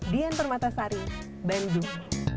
dian permatasari bandung